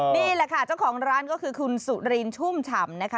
นี่แหละค่ะเจ้าของร้านก็คือคุณสุรินชุ่มฉ่ำนะคะ